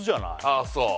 ああそう？